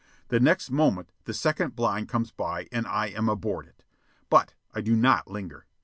The next moment the second blind comes by and I am aboard it. But I do not linger.